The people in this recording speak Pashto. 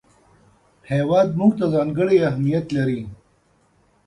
هېواد موږ ته ځانګړی اهمیت لري